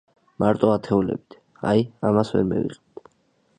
მარტო ათეულებით, აი, ამას ვერ მივიღებთ.